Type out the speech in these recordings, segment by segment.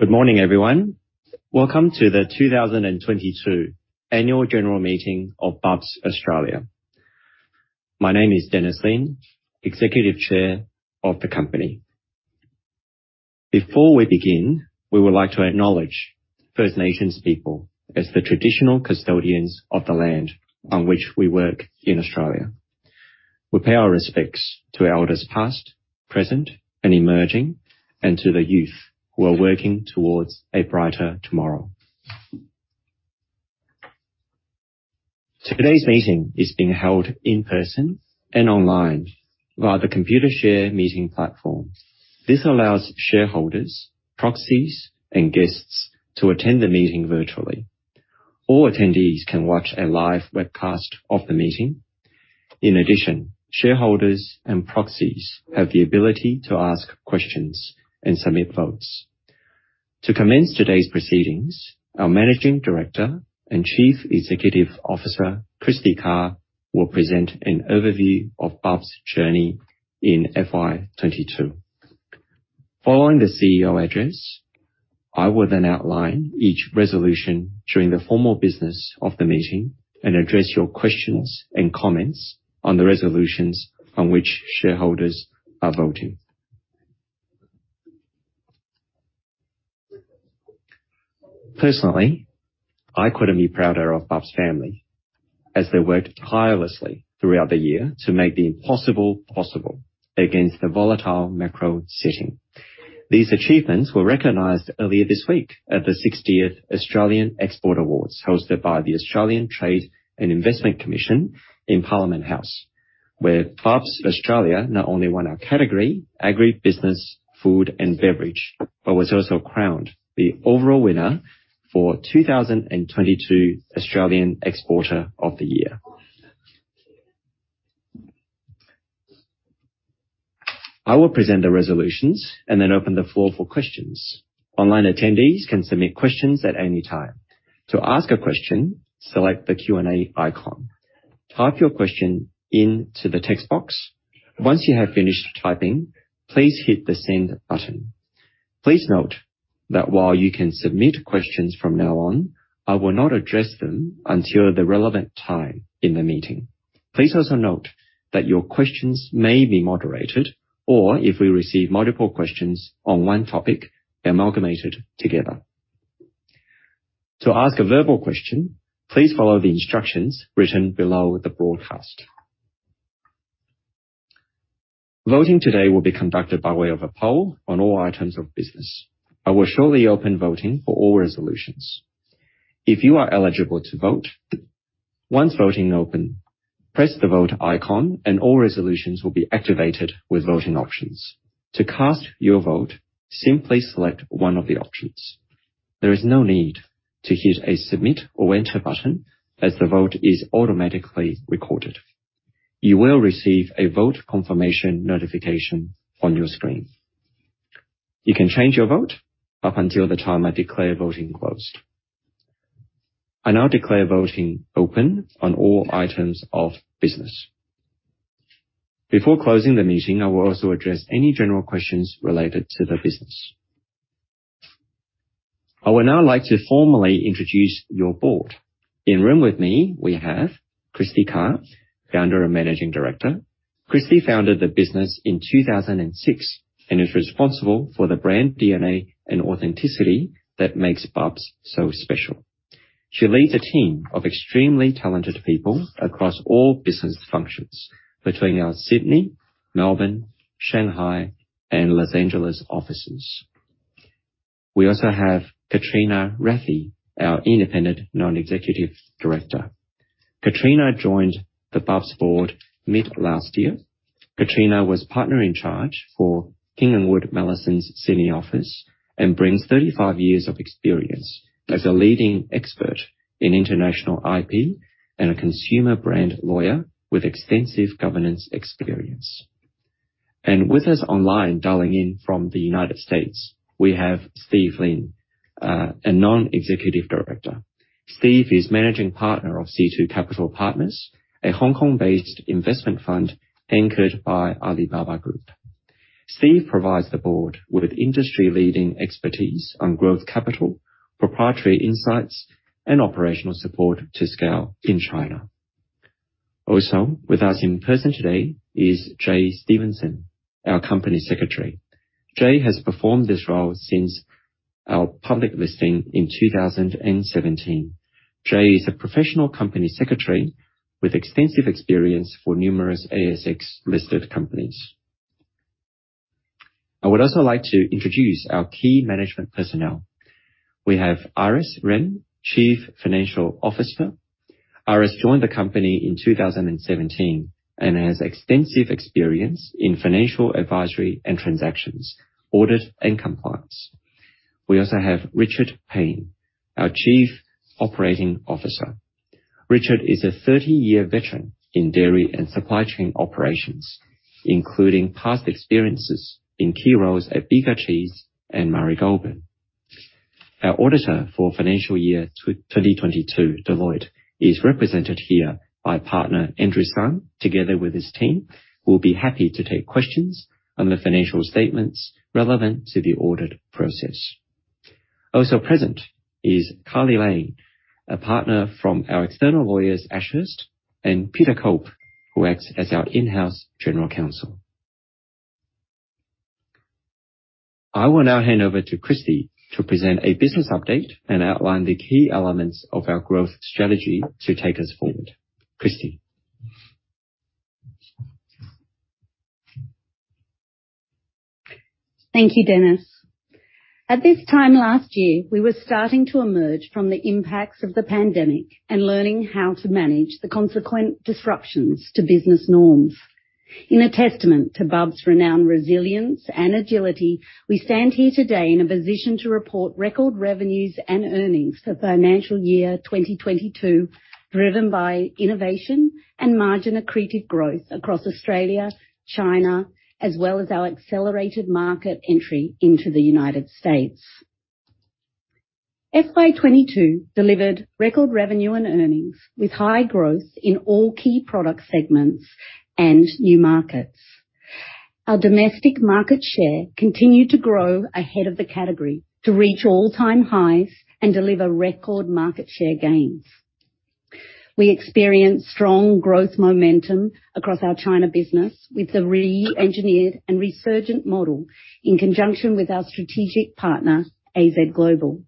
Good morning, everyone. Welcome to the 2022 Annual General Meeting of Bubs Australia. My name is Dennis Lin, Executive Chair of the company. Before we begin, we would like to acknowledge First Nations people as the traditional custodians of the land on which we work in Australia. We pay our respects to elders past, present, and emerging, and to the youth who are working towards a brighter tomorrow. Today's meeting is being held in person and online via the Computershare meeting platform. This allows shareholders, proxies, and guests to attend the meeting virtually. All attendees can watch a live webcast of the meeting. Shareholders and proxies have the ability to ask questions and submit votes. To commence today's proceedings, our Managing Director and Chief Executive Officer, Kristy Carr, will present an overview of Bubs' journey in FY 2022. Following the CEO address, I will then outline each resolution during the formal business of the meeting and address your questions and comments on the resolutions on which shareholders are voting. Personally, I couldn't be prouder of Bubs Family as they worked tirelessly throughout the year to make the impossible possible against the volatile macro setting. These achievements were recognized earlier this week at the 60th Australian Export Awards, hosted by the Australian Trade and Investment Commission in Parliament House, where Bubs Australia not only won our category, Agribusiness, Food and Beverage, but was also crowned the overall winner for 2022 Australian Exporter of the Year. I will present the resolutions and then open the floor for questions. Online attendees can submit questions at any time. To ask a question, select the Q&A icon. Type your question into the text box. Once you have finished typing, please hit the Send button. Please note that while you can submit questions from now on, I will not address them until the relevant time in the meeting. Please also note that your questions may be moderated or if we receive multiple questions on one topic, amalgamated together. To ask a verbal question, please follow the instructions written below the broadcast. Voting today will be conducted by way of a poll on all items of business. I will shortly open voting for all resolutions. If you are eligible to vote, once voting open, press the Vote icon and all resolutions will be activated with voting options. To cast your vote, simply select one of the options. There is no need to hit a Submit or Enter button as the vote is automatically recorded. You will receive a vote confirmation notification on your screen. You can change your vote up until the time I declare voting closed. I now declare voting open on all items of business. Before closing the meeting, I will also address any general questions related to the business. I would now like to formally introduce your board. In room with me, we have Kristy Carr, Founder and Managing Director. Kristy founded the business in 2006 and is responsible for the brand DNA and authenticity that makes Bubs so special. She leads a team of extremely talented people across all business functions between our Sydney, Melbourne, Shanghai and L.A. offices. We also have Katrina Rathie, our Independent Non-Executive Director. Katrina joined the Bubs board mid last year. Katrina Rathie was Partner in Charge for King & Wood Mallesons Sydney office, and brings 35 years of experience as a leading expert in international IP and a consumer brand lawyer with extensive governance experience. With us online, dialing in from the United States, we have Steve Lin, a Non-Executive Director. Steve is Managing Partner of C2 Capital Partners, a Hong Kong-based investment fund anchored by Alibaba Group. Steve provides the board with industry-leading expertise on growth capital, proprietary insights, and operational support to scale in China. With us in person today is Jay Stephenson, our Company Secretary. Jay has performed this role since our public listing in 2017. Jay is a professional Company Secretary with extensive experience for numerous ASX-listed companies. I would like to introduce our key management personnel. We have Iris Ren, Chief Financial Officer. Iris joined the company in 2017 and has extensive experience in financial advisory and transactions, audit and compliance. We also have Richard Paine, our Chief Operating Officer. Richard is a 30-year veteran in dairy and supply chain operations, including past experiences in key roles at Bega Cheese and Murray Goulburn. Our auditor for financial year 2022, Deloitte, is represented here by Partner Andrew Sung, together with his team, who will be happy to take questions on the financial statements relevant to the audit process. Also present is Carly Lane, a partner from our external lawyers, Ashurst, and Peter Cope, who acts as our in-house General Counsel. I will now hand over to Kristy to present a business update and outline the key elements of our growth strategy to take us forward. Kristy? Thank you, Dennis. At this time last year, we were starting to emerge from the impacts of the pandemic and learning how to manage the consequent disruptions to business norms. In a testament to Bubs' renowned resilience and agility, we stand here today in a position to report record revenues and earnings for financial year 2022, driven by innovation and margin-accretive growth across Australia, China, as well as our accelerated market entry into the United States. FY 2022 delivered record revenue and earnings with high growth in all key product segments and new markets. Our domestic market share continued to grow ahead of the category to reach all-time highs and deliver record market share gains. We experienced strong growth momentum across our China business with the re-engineered and resurgent model in conjunction with our strategic partner, AZ Global.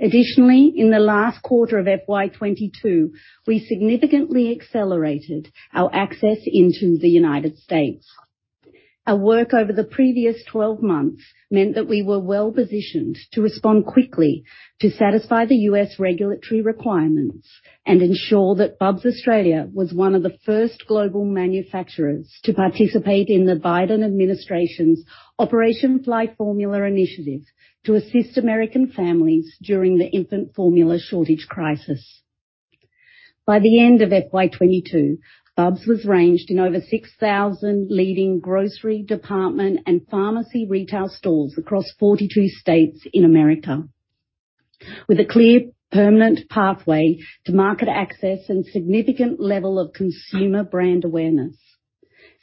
Additionally, in the last quarter of FY 2022, we significantly accelerated our access into the United States. Our work over the previous 12 months meant that we were well-positioned to respond quickly to satisfy the U.S. regulatory requirements and ensure that Bubs Australia was one of the first global manufacturers to participate in the Biden administration's Operation Fly Formula initiative to assist American families during the infant formula shortage crisis. By the end of FY 2022, Bubs was ranged in over 6,000 leading grocery department and pharmacy retail stores across 42 states in America with a clear permanent pathway to market access and significant level of consumer brand awareness.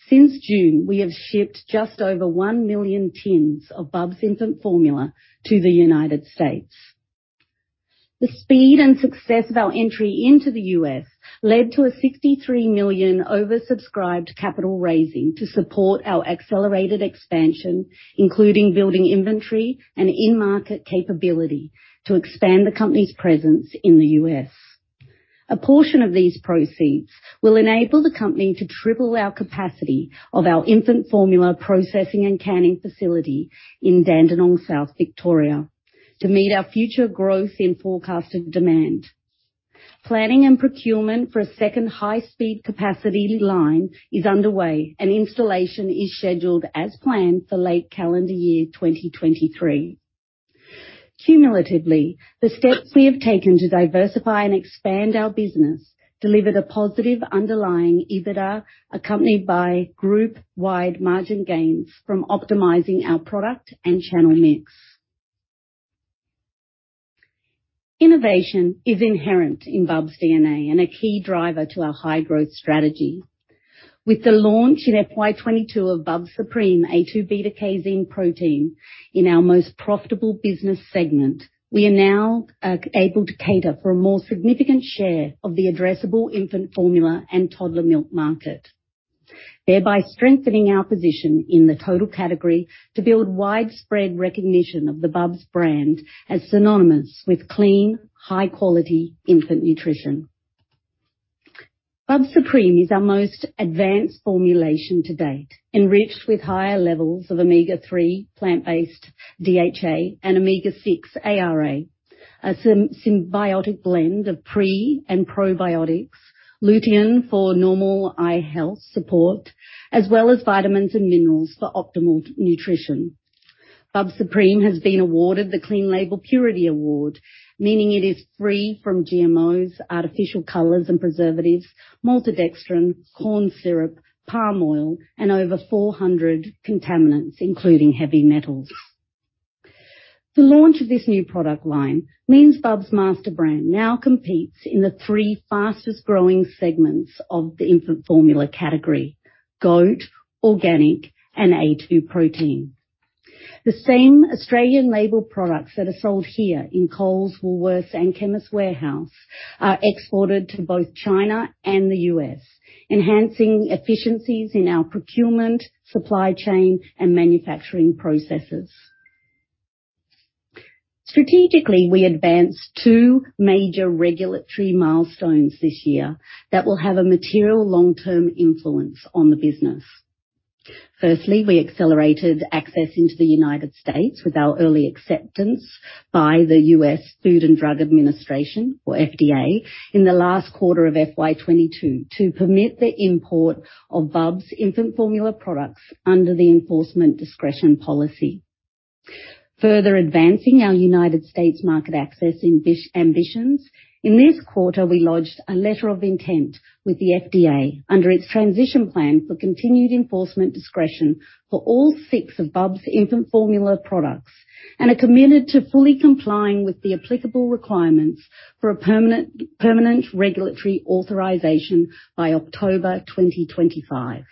Since June, we have shipped just over 1 million tins of Bubs infant formula to the United States. The speed and success of our entry into the U.S. led to a 63 million oversubscribed capital raising to support our accelerated expansion, including building inventory and in-market capability to expand the company's presence in the U.S. A portion of these proceeds will enable the company to triple our capacity of our infant formula processing and canning facility in Dandenong South, Victoria to meet our future growth in forecasted demand. Planning and procurement for a second high-speed capacity line is underway. Installation is scheduled as planned for late calendar year 2023. Cumulatively, the steps we have taken to diversify and expand our business delivered a positive underlying EBITDA accompanied by group-wide margin gains from optimizing our product and channel mix. Innovation is inherent in Bubs' DNA and a key driver to our high-growth strategy. With the launch in FY 2022 of Bubs Supreme A2 beta-casein protein in our most profitable business segment, we are now able to cater for a more significant share of the addressable infant formula and toddler milk market, thereby strengthening our position in the total category to build widespread recognition of the Bubs brand as synonymous with clean, high-quality infant nutrition. Bubs Supreme is our most advanced formulation to date, enriched with higher levels of Omega-3 plant-based DHA and Omega-6 ARA, a synbiotic blend of pre and probiotics, Lutein for normal eye health support, as well as vitamins and minerals for optimal nutrition. Bubs Supreme has been awarded the Clean Label Purity Award, meaning it is free from GMOs, artificial colors and preservatives, Maltodextrin, corn syrup, palm oil, and over 400 contaminants, including heavy metals. The launch of this new product line means Bubs master brand now competes in the three fastest-growing segments of the infant formula category: goat, organic, and A2 protein. The same Australian labor products that are sold here in Coles, Woolworths, and Chemist Warehouse are exported to both China and the U.S., enhancing efficiencies in our procurement, supply chain, and manufacturing processes. Strategically, we advanced two major regulatory milestones this year that will have a material long-term influence on the business. Firstly, we accelerated access into the United States with our early acceptance by the U.S. Food and Drug Administration, or FDA, in the last quarter of FY 2022 to permit the import of Bubs infant formula products under the Enforcement Discretion Policy. Further advancing our United States market access ambitions. In this quarter, we lodged a letter of intent with the FDA under its transition plan for continued enforcement discretion for all six of Bubs infant formula products, and are committed to fully complying with the applicable requirements for a permanent regulatory authorization by October 2025.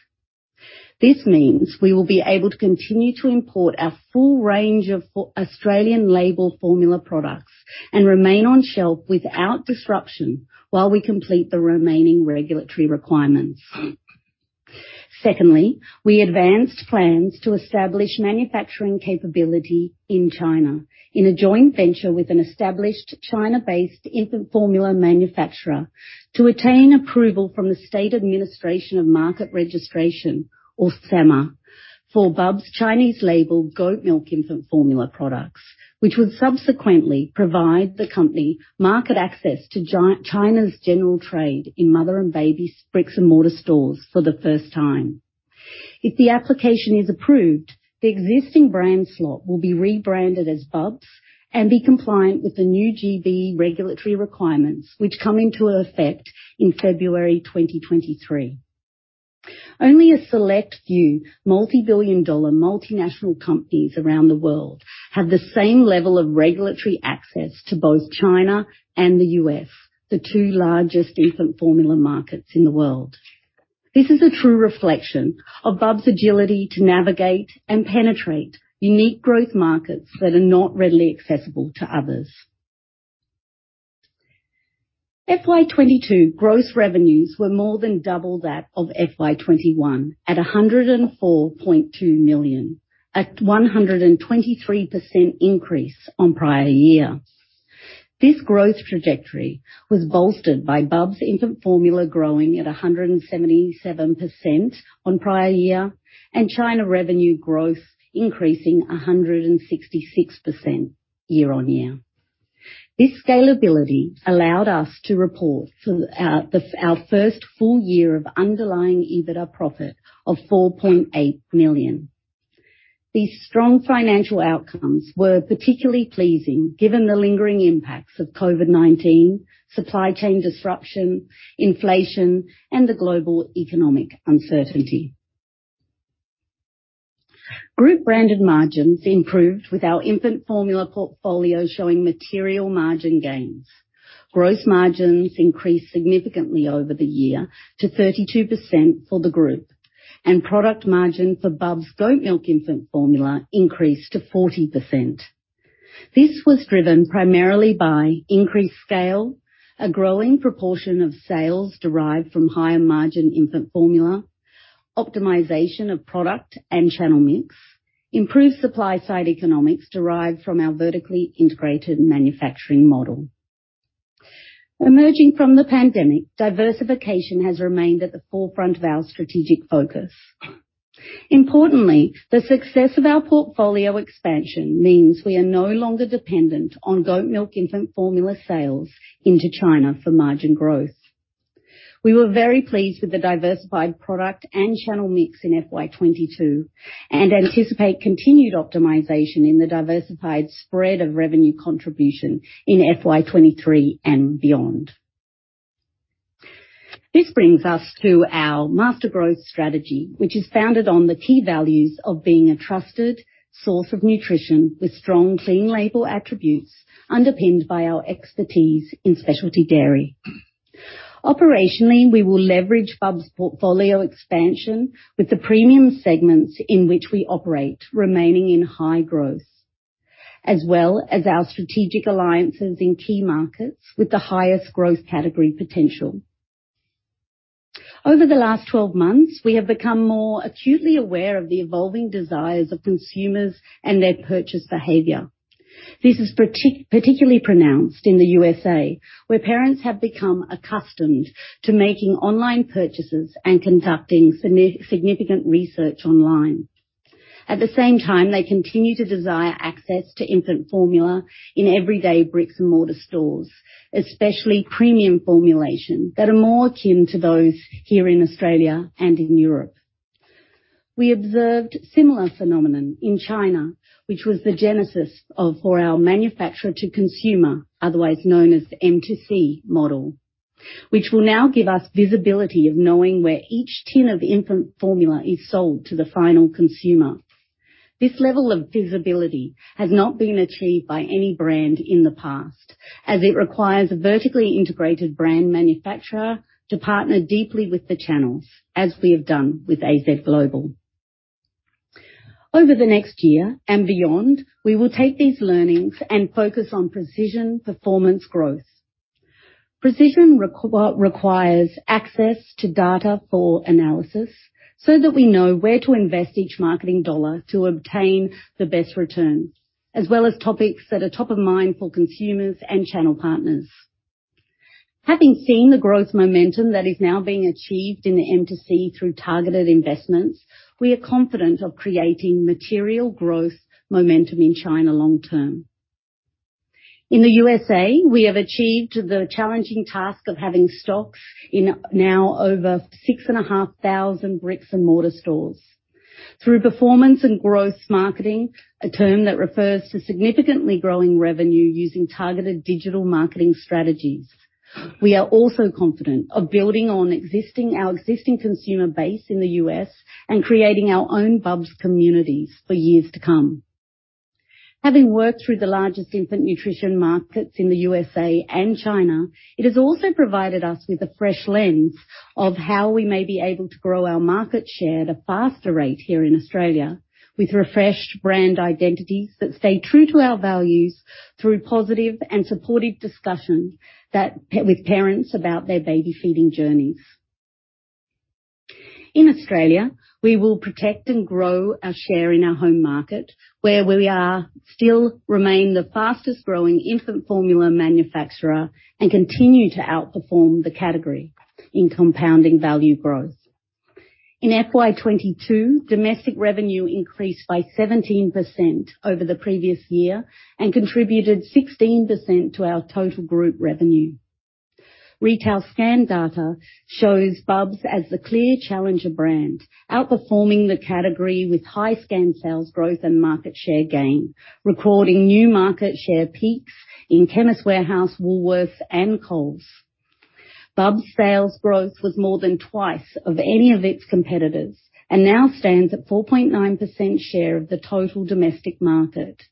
This means we will be able to continue to import our full range of Australian labeled formula products and remain on shelf without disruption while we complete the remaining regulatory requirements. Secondly, we advanced plans to establish manufacturing capability in China in a joint venture with an established China-based infant formula manufacturer to attain approval from the State Administration for Market Regulation, or SAMR, for Bubs Chinese labeled goat milk infant formula products, which would subsequently provide the company market access to China's general trade in mother and baby bricks and mortar stores for the first time. If the application is approved, the existing brand slot will be rebranded as Bubs and be compliant with the new GB regulatory requirements, which come into effect in February 2023. Only a select few multi-billion-dollar multinational companies around the world have the same level of regulatory access to both China and the US, the two largest infant formula markets in the world. This is a true reflection of Bubs' agility to navigate and penetrate unique growth markets that are not readily accessible to others. FY 2022 gross revenues were more than double that of FY 2021 at 104.2 million, at a 123% increase on prior year. This growth trajectory was bolstered by Bubs infant formula growing at 177% on prior year and China revenue growth increasing 166% year-on-year. This scalability allowed us to report for our first full year of underlying EBITDA profit of 4.8 million. These strong financial outcomes were particularly pleasing given the lingering impacts of COVID-19, supply chain disruption, inflation, and the global economic uncertainty. Group branded margins improved with our infant formula portfolio showing material margin gains. Gross margins increased significantly over the year to 32% for the group, and product margin for Bubs goat milk infant formula increased to 40%. This was driven primarily by increased scale, a growing proportion of sales derived from higher-margin infant formula, optimization of product and channel mix, improved supply-side economics derived from our vertically integrated manufacturing model. Emerging from the pandemic, diversification has remained at the forefront of our strategic focus. Importantly, the success of our portfolio expansion means we are no longer dependent on goat milk infant formula sales into China for margin growth. We were very pleased with the diversified product and channel mix in FY 2022 and anticipate continued optimization in the diversified spread of revenue contribution in FY 2023 and beyond. This brings us to our master growth strategy, which is founded on the key values of being a trusted source of nutrition with strong Clean Label attributes underpinned by our expertise in specialty dairy. Operationally, we will leverage Bubs' portfolio expansion with the premium segments in which we operate remaining in high growth, as well as our strategic alliances in key markets with the highest growth category potential. Over the last 12 months, we have become more acutely aware of the evolving desires of consumers and their purchase behavior. This is particularly pronounced in the USA, where parents have become accustomed to making online purchases and conducting significant research online. At the same time, they continue to desire access to infant formula in everyday bricks and mortar stores, especially premium formulation that are more akin to those here in Australia and in Europe. We observed similar phenomenon in China, which was the genesis for our manufacturer to consumer, otherwise known as M to C model, which will now give us visibility of knowing where each tin of infant formula is sold to the final consumer. This level of visibility has not been achieved by any brand in the past, as it requires a vertically integrated brand manufacturer to partner deeply with the channels as we have done with AZ Global. Over the next year and beyond, we will take these learnings and focus on precision performance growth. Precision requires access to data for analysis so that we know where to invest each marketing dollar to obtain the best return, as well as topics that are top of mind for consumers and channel partners. Having seen the growth momentum that is now being achieved in the M2C through targeted investments, we are confident of creating material growth momentum in China long term. In the USA, we have achieved the challenging task of having stocks in now over 6,500 bricks and mortar stores. Through performance and growth marketing, a term that refers to significantly growing revenue using targeted digital marketing strategies. We are also confident of building on our existing consumer base in the U.S. and creating our own Bubs communities for years to come. Having worked through the largest infant nutrition markets in the USA and China, it has also provided us with a fresh lens of how we may be able to grow our market share at a faster rate here in Australia, with refreshed brand identities that stay true to our values through positive and supportive discussion with parents about their baby feeding journeys. In Australia, we will protect and grow our share in our home market, where we are still remain the fastest growing infant formula manufacturer and continue to outperform the category in compounding value growth. In FY 2022, domestic revenue increased by 17% over the previous year and contributed 16% to our total group revenue. Retail scan data shows Bubs as the clear challenger brand, outperforming the category with high scan sales growth and market share gain, recording new market share peaks in Chemist Warehouse, Woolworths and Coles. Bubs sales growth was more than twice of any of its competitors and now stands at 4.9% share of the total domestic market.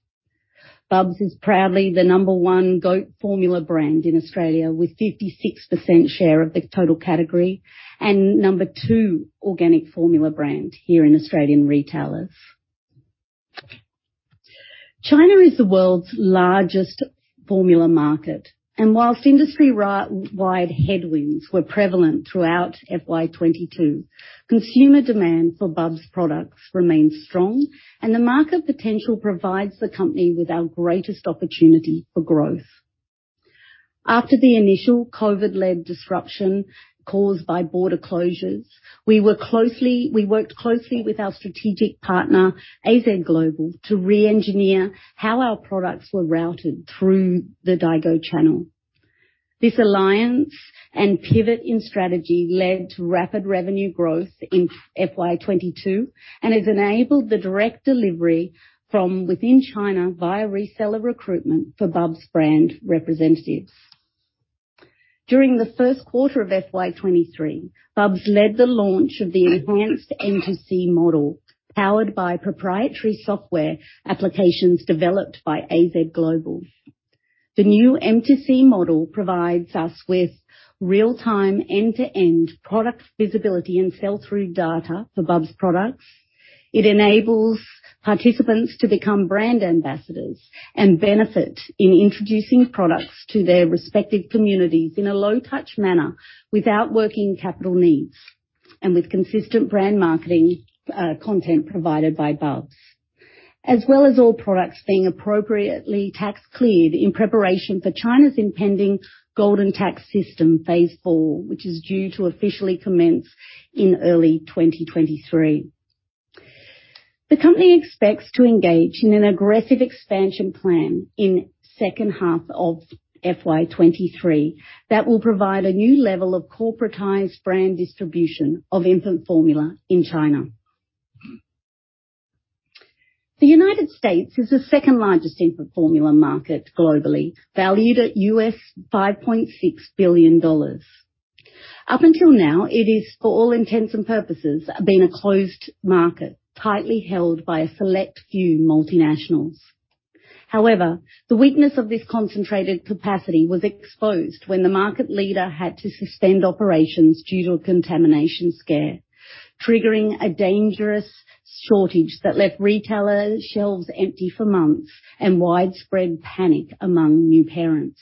Bubs is proudly the number one goat formula brand in Australia, with 56% share of the total category and number two organic formula brand here in Australian retailers. Whilst industry-wide headwinds were prevalent throughout FY 2022, consumer demand for Bubs products remains strong and the market potential provides the company with our greatest opportunity for growth. After the initial COVID-led disruption caused by border closures, we worked closely with our strategic partner, AZ Global, to re-engineer how our products were routed through the Daigou channel. This alliance and pivot in strategy led to rapid revenue growth in FY 2022 and has enabled the direct delivery from within China via reseller recruitment for Bubs brand representatives. During the first quarter of FY 2023, Bubs led the launch of the enhanced M2C model, powered by proprietary software applications developed by AZ Global. The new M2C model provides us with real-time, end-to-end product visibility and sell-through data for Bubs products. It enables participants to become brand ambassadors and benefit in introducing products to their respective communities in a low touch manner without working capital needs and with consistent brand marketing content provided by Bubs. As well as all products being appropriately tax cleared in preparation for China's impending Golden Tax System Phase IV, which is due to officially commence in early 2023. The company expects to engage in an aggressive expansion plan in second half of FY 2023 that will provide a new level of corporatized brand distribution of infant formula in China. The United States is the second largest infant formula market globally, valued at $5.6 billion. Up until now, it is, for all intents and purposes, been a closed market tightly held by a select few multinationals. However, the weakness of this concentrated capacity was exposed when the market leader had to suspend operations due to a contamination scare, triggering a dangerous shortage that left retailer shelves empty for months and widespread panic among new parents.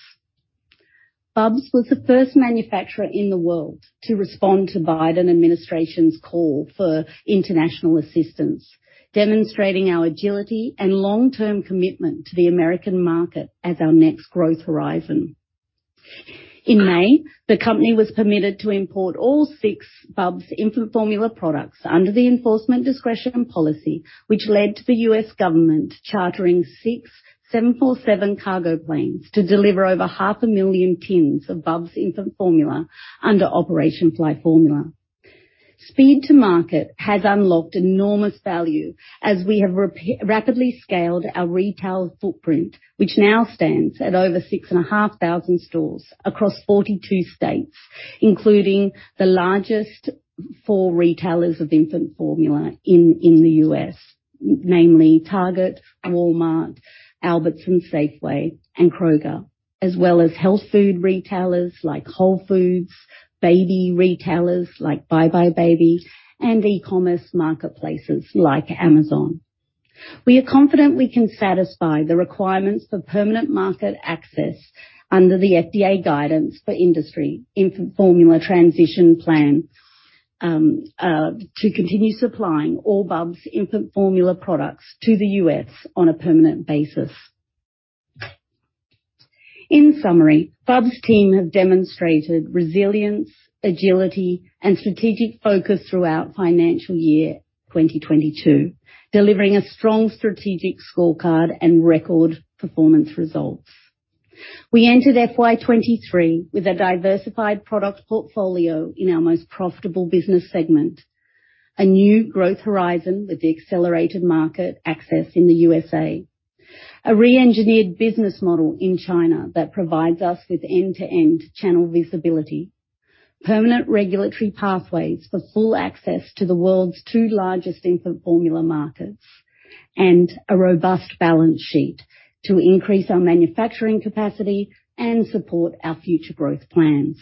Bubs was the first manufacturer in the world to respond to Biden administration's call for international assistance, demonstrating our agility and long term commitment to the American market as our next growth horizon. In May, the company was permitted to import all 6 Bubs infant formula products under the Enforcement Discretion Policy, which led to the U.S. government chartering 6 747 cargo planes to deliver over half a million tins of Bubs infant formula under Operation Fly Formula. Speed to market has unlocked enormous value as we have rapidly scaled our retail footprint, which now stands at over 6,500 stores across 42 states, including the largest four retailers of infant formula in the U.S., namely Target, Walmart, Albertsons, Safeway and Kroger, as well as health food retailers like Whole Foods, baby retailers like buybuy BABY, and e-commerce marketplaces like Amazon. We are confident we can satisfy the requirements for permanent market access under the FDA Guidance for Industry Infant Formula Transition Plan to continue supplying all Bubs infant formula products to the U.S. on a permanent basis. In summary, Bubs' team have demonstrated resilience, agility and strategic focus throughout financial year 2022, delivering a strong strategic scorecard and record performance results. We entered FY 2023 with a diversified product portfolio in our most profitable business segment. A new growth horizon with the accelerated market access in the U.S.A. A re-engineered business model in China that provides us with end-to-end channel visibility. Permanent regulatory pathways for full access to the world's two largest infant formula markets. A robust balance sheet to increase our manufacturing capacity and support our future growth plans.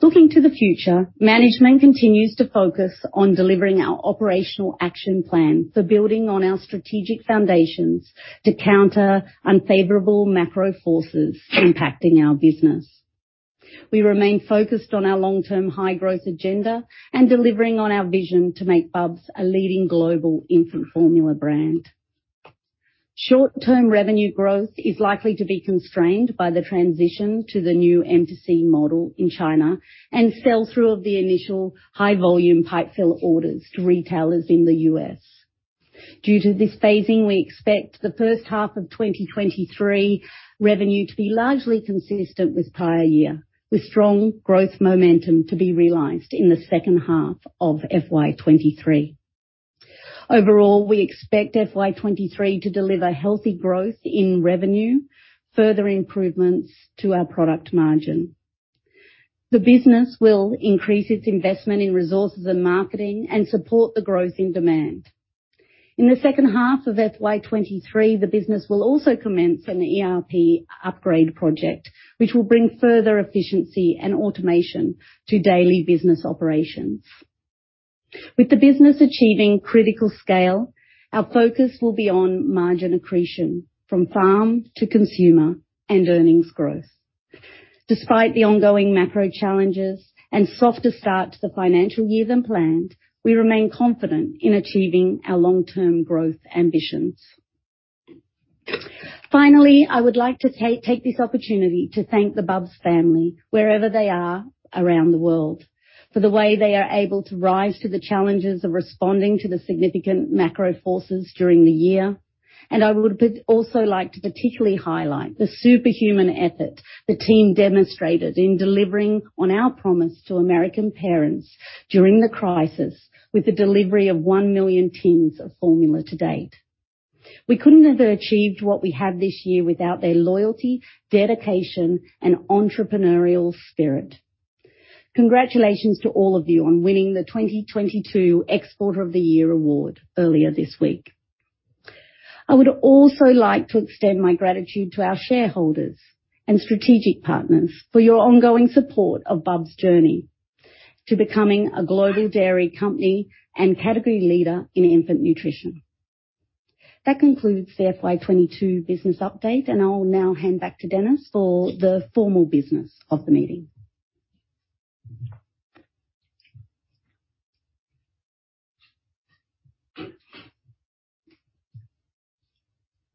Looking to the future, management continues to focus on delivering our operational action plan for building on our strategic foundations to counter unfavorable macro forces impacting our business. We remain focused on our long-term high growth agenda and delivering on our vision to make Bubs a leading global infant formula brand. Short-term revenue growth is likely to be constrained by the transition to the new M2C model in China and sell-through of the initial high volume pipe-fill orders to retailers in the U.S. Due to this phasing, we expect the first half of 2023 revenue to be largely consistent with prior year, with strong growth momentum to be realized in the second half of FY 2023. Overall, we expect FY 2023 to deliver healthy growth in revenue, further improvements to our product margin. The business will increase its investment in resources and marketing, support the growth in demand. In the second half of FY 2023, the business will also commence an ERP upgrade project, which will bring further efficiency and automation to daily business operations. With the business achieving critical scale, our focus will be on margin accretion from farm to consumer and earnings growth. Despite the ongoing macro challenges and softer start to the financial year than planned, we remain confident in achieving our long-term growth ambitions. Finally, I would like to take this opportunity to thank The Bubs Family wherever they are around the world, for the way they are able to rise to the challenges of responding to the significant macro forces during the year. I would also like to particularly highlight the superhuman effort the team demonstrated in delivering on our promise to American parents during the crisis, with the delivery of 1 million tins of formula to date. We couldn't have achieved what we have this year without their loyalty, dedication, and entrepreneurial spirit. Congratulations to all of you on winning the 2022 Exporter of the Year award earlier this week. I would also like to extend my gratitude to our shareholders and strategic partners for your ongoing support of Bubs' journey to becoming a global dairy company and category leader in infant nutrition. That concludes the FY 2022 business update. I'll now hand back to Dennis for the formal business of the meeting.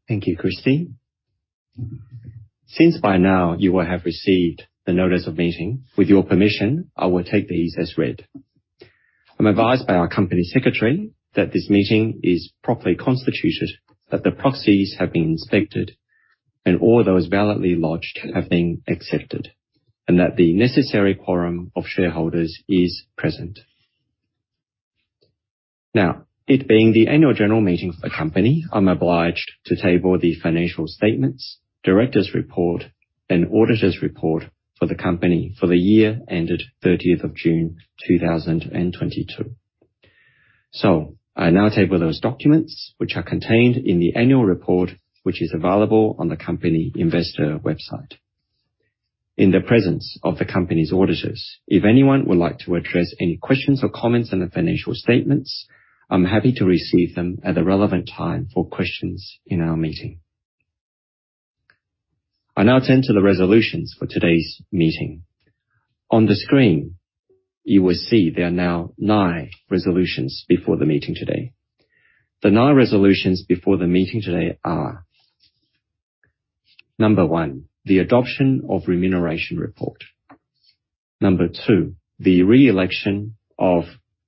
Thank you, Kristy. Since by now you will have received the notice of meeting, with your permission, I will take these as read. I'm advised by our Company Secretary that this meeting is properly constituted, that the proxies have been inspected, and all those validly lodged have been accepted, and that the necessary quorum of shareholders is present. It being the annual general meeting of the company, I'm obliged to table the financial statements, Directors' Report, and Auditors' Report for the company for the year ended June 30th, 2022. I now table those documents which are contained in the Annual Report, which is available on the company investor website. In the presence of the company's auditors, if anyone would like to address any questions or comments on the financial statements, I'm happy to receive them at the relevant time for questions in our meeting. I now turn to the resolutions for today's meeting. On the screen, you will see there are now nine resolutions before the meeting today. The nine resolutions before the meeting today are: one, the adoption of remuneration report. Two, the re-election of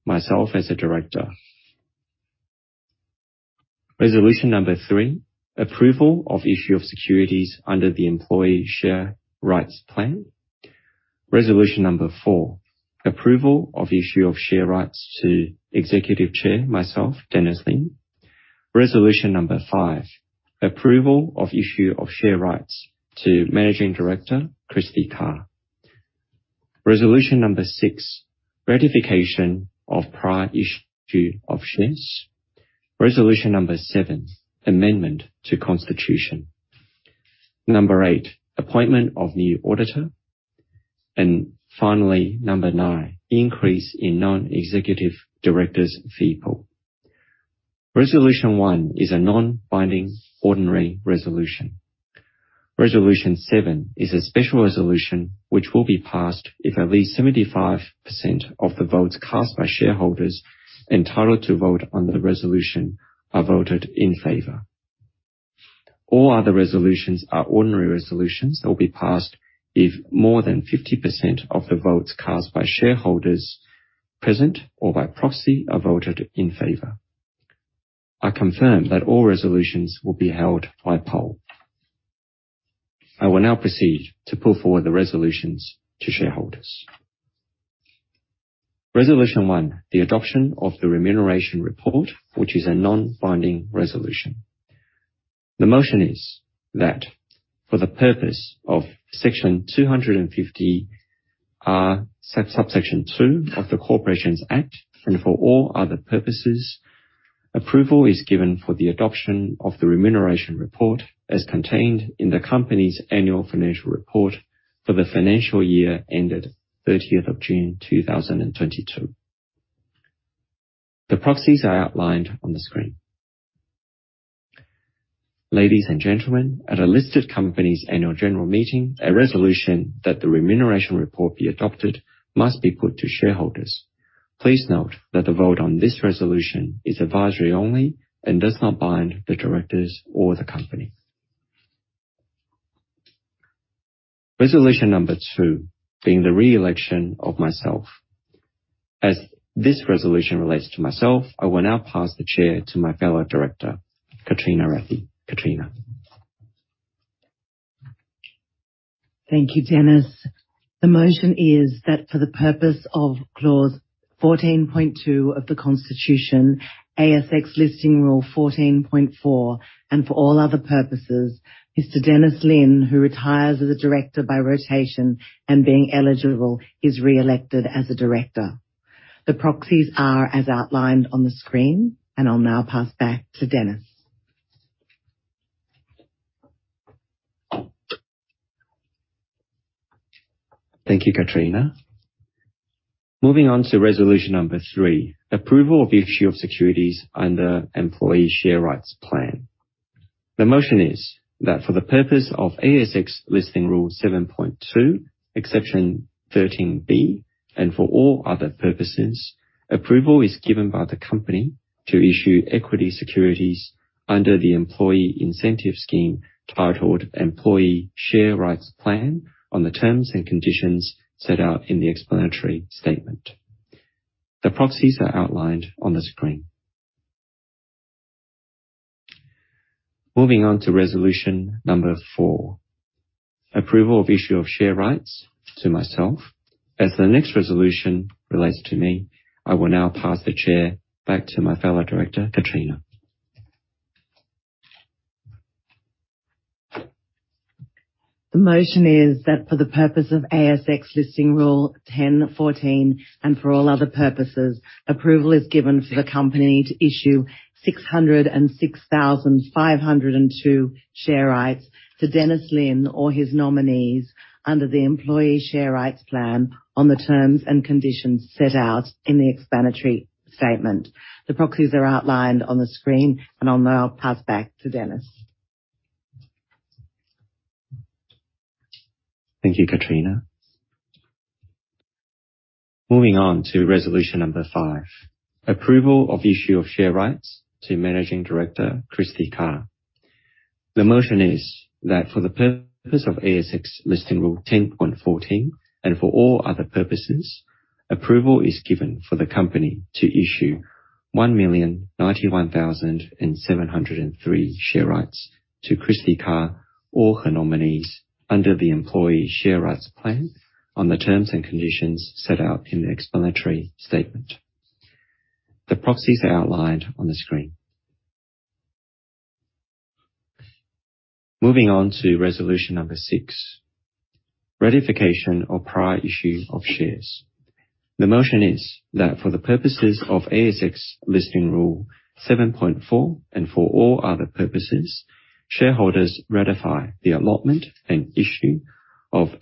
myself as a director. Resolution three, approval of issue of securities under the Employee Share Rights Plan. Resolution four, approval of issue of share rights to Executive Chair, myself, Dennis Lin. Resolution five, approval of issue of share rights to Managing Director, Kristy Carr. Resolution six, ratification of prior issue of shares. Resolution seven, amendment to constitution. Eight, appointment of new auditor. Finally, nine, increase in non-executive directors' fee pool. Resolution one is a non-binding ordinary resolution. Resolution one is a special resolution which will be passed if at least 75% of the votes cast by shareholders entitled to vote on the resolution are voted in favor. All other resolutions are ordinary resolutions that will be passed if more than 50% of the votes cast by shareholders present or by proxy are voted in favor. I confirm that all resolutions will be held by poll. I will now proceed to put forward the resolutions to shareholders. Resolution one, the adoption of the remuneration report, which is a non-binding resolution. The motion is that for the purpose of Section 250, sub-subsection one of the Corporations Act, and for all other purposes, approval is given for the adoption of the remuneration report as contained in the company's annual financial report for the financial year ended June 30th, 2022. The proxies are outlined on the screen. Ladies and gentlemen, at a listed company's annual general meeting, a resolution that the remuneration report be adopted must be put to shareholders. Please note that the vote on this resolution is advisory only and does not bind the directors or the company. Resolution number two being the re-election of myself. As this resolution relates to myself, I will now pass the chair to my fellow director, Katrina Rathie. Katrina? Thank you, Dennis. The motion is that for the purpose of clause 14.2 of the Constitution, ASX Listing Rule 14.4, and for all other purposes, Mr. Dennis Lin, who retires as a director by rotation and being eligible is re-elected as a director. The proxies are as outlined on the screen, and I'll now pass back to Dennis. Thank you, Katrina. Moving on to resolution number three. Approval of issue of securities under Employee Share Rights Plan. The motion is that for the purpose of ASX Listing Rule 7.2, exception 13B, and for all other purposes, approval is given by the company to issue equity securities under the Employee Incentive scheme titled Employee Share Rights Plan on the terms and conditions set out in the explanatory statement. The proxies are outlined on the screen. Moving on to resolution number four, approval of issue of share rights to myself. As the next resolution relates to me, I will now pass the chair back to my fellow director, Katrina. The motion is that for the purpose of ASX Listing Rule 10.14 and for all other purposes, approval is given for the company to issue 606,502 share rights to Dennis Lin or his nominees under the Employee Share Rights Plan on the terms and conditions set out in the explanatory statement. The proxies are outlined on the screen. I'll now pass back to Dennis. Thank you, Katrina. Moving on to Resolution number five, approval of issue of share rights to Managing Director Kristy Carr. The motion is that for the purpose of ASX Listing Rule 10.14 and for all other purposes, approval is given for the company to issue 1,091,703 share rights to Kristy Carr or her nominees under the Employee Share Rights Plan on the terms and conditions set out in the explanatory statement. The proxies are outlined on the screen. Moving on to Resolution number six, ratification of prior issue of shares. The motion is that for the purposes of ASX Listing Rule 7.4 and for all other purposes, shareholders ratify the allotment and issue of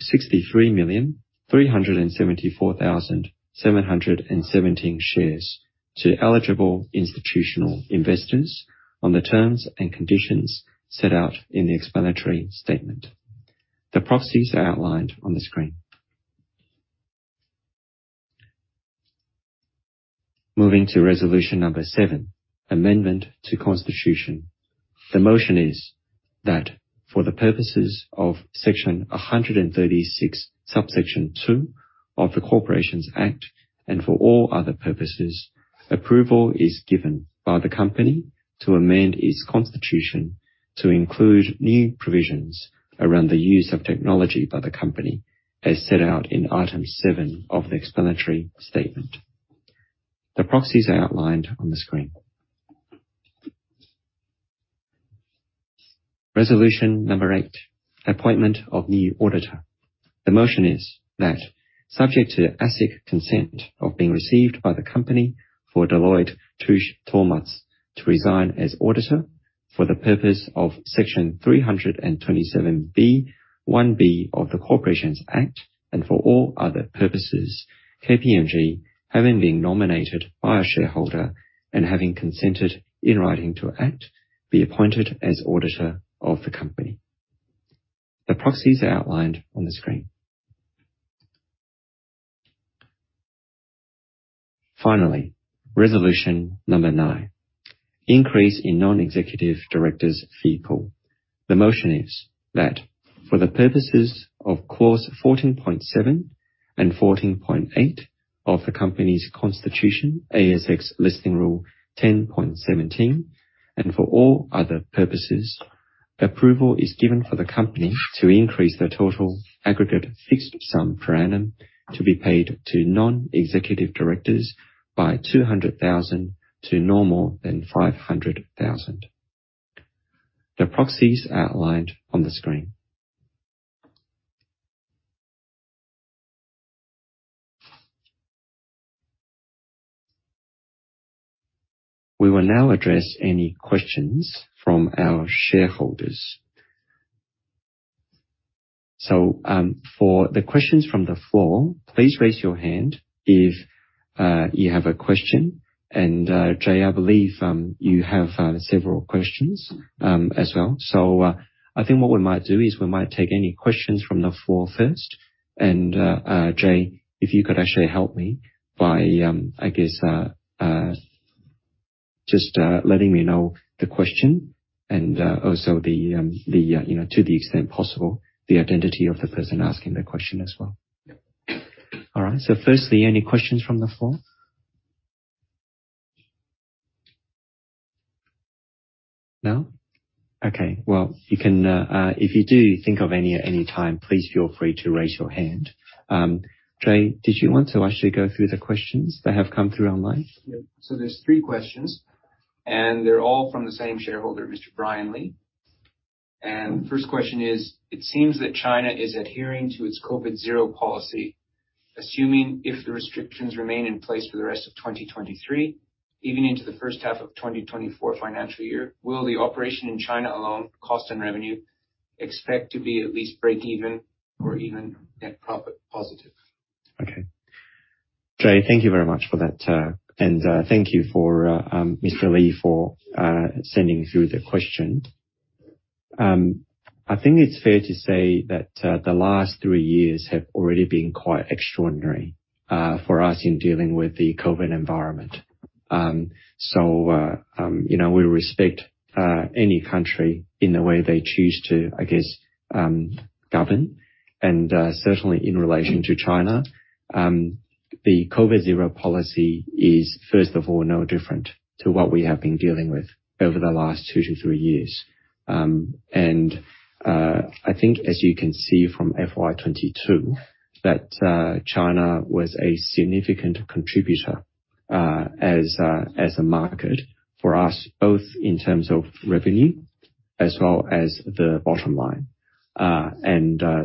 63,374,717 shares to eligible institutional investors on the terms and conditions set out in the explanatory statement. The proxies are outlined on the screen. Moving to Resolution number seven, amendment to constitution. The motion is that for the purposes of Section 136(2) of the Corporations Act, and for all other purposes, approval is given by the company to amend its constitution to include new provisions around the use of technology by the company, as set out in item seven of the explanatory statement. The proxies are outlined on the screen. Resolution number eight, Appointment of new auditor. The motion is that subject to asset consent of being received by the company for Deloitte Touche Tohmatsu to resign as auditor for the purpose of Section 327B(1)(b) of the Corporations Act, and for all other purposes, KPMG, having been nominated by a shareholder and having consented in writing to act, be appointed as auditor of the company. The proxies are outlined on the screen. Finally, Resolution number nine. Increase in non-executive directors' fee pool. The motion is that for the purposes of clause 14.7 and 14.8 of the company's constitution, ASX Listing Rule 10.17, and for all other purposes, approval is given for the company to increase the total aggregate fixed sum per annum to be paid to non-executive directors by 200,000 to normal and 500,000. The proxies outlined on the screen. We will now address any questions from our shareholders. For the questions from the floor, please raise your hand if you have a question. Jay Stephenson, I believe you have several questions as well. I think what we might do is we might take any questions from the floor first. Jay Stephenson, if you could actually help me by, I guess, just letting me know the question and also the, you know, to the extent possible, the identity of the person asking the question as well. All right. Firstly, any questions from the floor? No? If you do think of any at any time, please feel free to raise your hand. Jay, did you want to actually go through the questions that have come through online? Yep. there's three questions, they're all from the same shareholder, Mr. Dennis Lin. First question is: It seems that China is adhering to its COVID zero policy. Assuming if the restrictions remain in place for the rest of 2023, even into the first half of 2024 financial year, will the operation in China alone, cost and revenue, expect to be at least break even or even net profit positive? Okay. Jay, thank you very much for that, and thank you for Mr. Lin for sending through the question. I think it's fair to say that the last three years have already been quite extraordinary for us in dealing with the COVID environment. You know, we respect any country in the way they choose to, I guess, govern. Certainly in relation to China, the COVID zero policy is, first of all, no different to what we have been dealing with over the last two to three years. I think as you can see from FY 2022, that China was a significant contributor as a market for us, both in terms of revenue as well as the bottom line.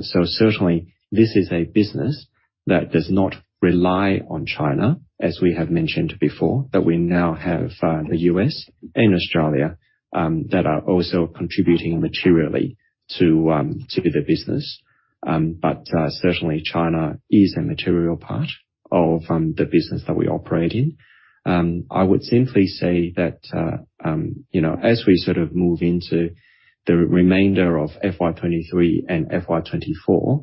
Certainly this is a business that does not rely on China, as we have mentioned before, that we now have the U.S. and Australia that are also contributing materially to the business. Certainly China is a material part of the business that we operate in. I would simply say that, you know, as we sort of move into the remainder of FY 2023 and FY 2024,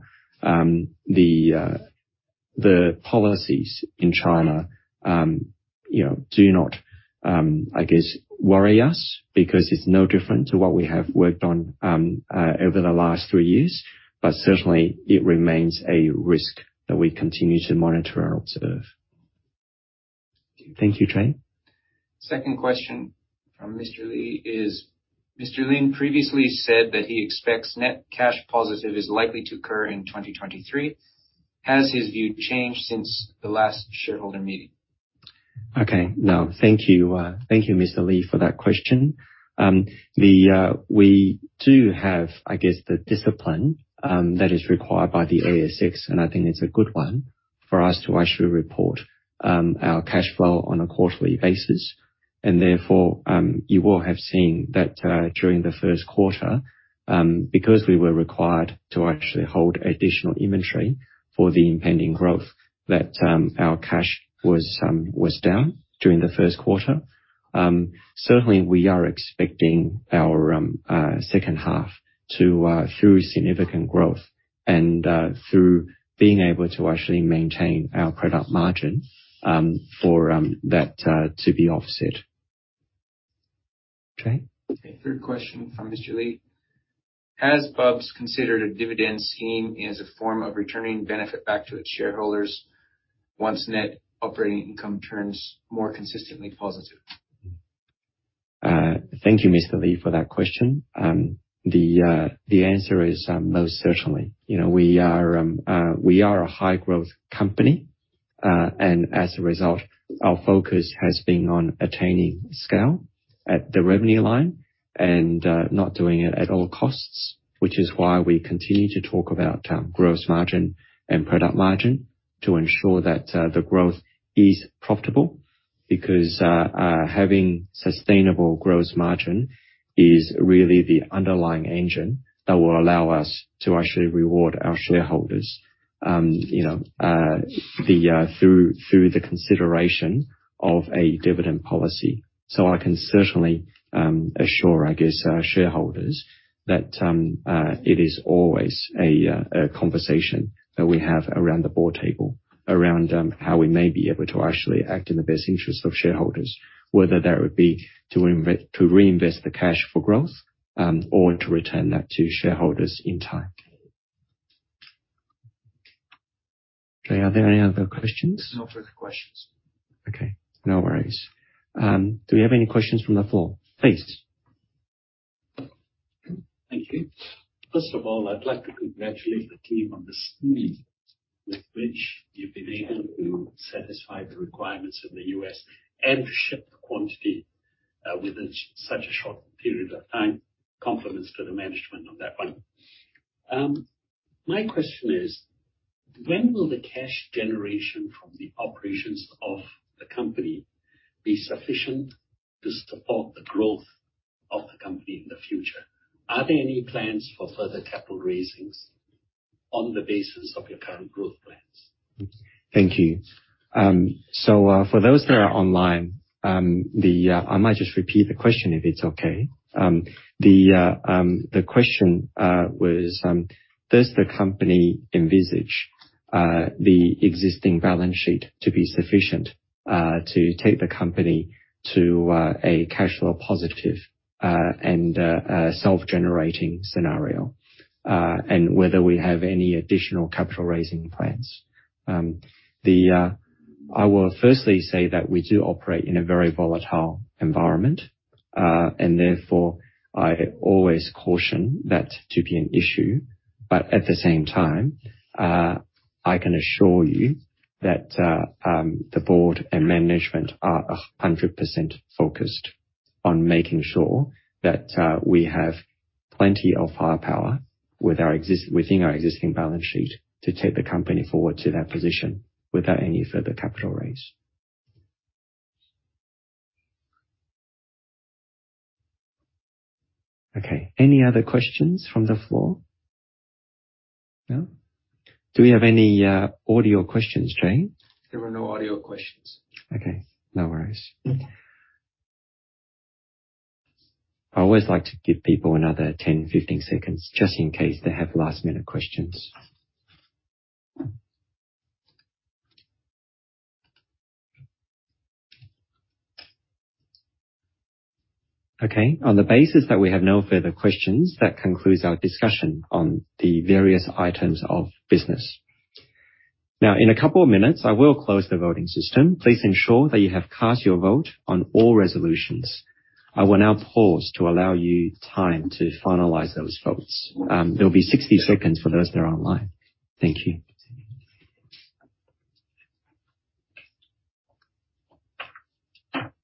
the policies in China, you know, do not, I guess, worry us because it's no different to what we have worked on over the last three years. Certainly it remains a risk that we continue to monitor and observe. Thank you, Jay. Second question from Mr. Lin is: Mr. Lin previously said that he expects net cash positive is likely to occur in 2023. Has his view changed since the last shareholder meeting? Okay. No, thank you. Thank you Mr. Lin, for that question. The we do have, I guess, the discipline that is required by the ASX, and I think it's a good one for us to actually report our cash flow on a quarterly basis. Therefore, you will have seen that during the first quarter, because we were required to actually hold additional inventory for the impending growth that our cash was down during the first quarter. Certainly we are expecting our second half to through significant growth and through being able to actually maintain our product margin for that to be offset. Jay? Okay. Third question from Mr. Lin: Has Bubs considered a dividend scheme as a form of returning benefit back to its shareholders once net operating income turns more consistently positive? Thank you Mr. Lin, for that question. The answer is most certainly. You know, we are a high growth company, and as a result, our focus has been on attaining scale at the revenue line and not doing it at all costs, which is why we continue to talk about gross margin and product margin to ensure that the growth is profitable. Because having sustainable gross margin is really the underlying engine that will allow us to actually reward our shareholders, you know, through the consideration of a dividend policy. I can certainly assure, I guess, our shareholders that it is always a conversation that we have around the board table around how we may be able to actually act in the best interest of shareholders, whether that would be to reinvest the cash for growth, or to return that to shareholders in time. Okay. Are there any other questions? There's no further questions. Okay, no worries. Do we have any questions from the floor? Please. Thank you. First of all, I'd like to congratulate the team on the speed with which you've been able to satisfy the requirements in the U.S. and ship the quantity within such a short period of time. Compliments to the management on that one. My question is: When will the cash generation from the operations of the company be sufficient to support the growth of the company in the future? Are there any plans for further capital raisings on the basis of your current growth plans? Thank you. For those that are online, I might just repeat the question if it's okay. The question was, does the company envisage the existing balance sheet to be sufficient to take the company to a cash flow positive and a self-generating scenario? Whether we have any additional capital raising plans. I will firstly say that we do operate in a very volatile environment, therefore I always caution that to be an issue. At the same time, I can assure you that the board and management are 100% focused on making sure that we have plenty of firepower within our existing balance sheet to take the company forward to that position without any further capital raise. Okay. Any other questions from the floor? No? Do we have any audio questions, Jay? There are no audio questions. Okay, no worries. I always like to give people another 10, 15 seconds just in case they have last-minute questions. Okay. On the basis that we have no further questions, that concludes our discussion on the various items of business. Now, in a couple of minutes, I will close the voting system. Please ensure that you have cast your vote on all resolutions. I will now pause to allow you time to finalize those votes. There will be 60 seconds for those that are online. Thank you.